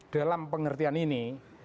dalam pengertian ini